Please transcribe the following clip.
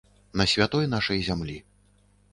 На святой нашай зямлі.